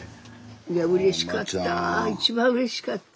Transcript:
いやうれしかった。